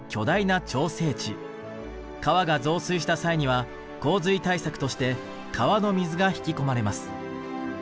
川が増水した際には洪水対策として川の水が引き込まれます。